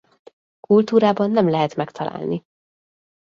Kultúrában nem lehet megtalálni.